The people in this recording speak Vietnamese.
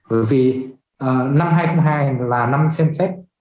bởi vì năm hai nghìn hai mươi hai là năm xem xét